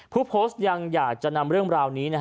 ผู้โพสต์ยังอยากจะนำเรื่องราวนี้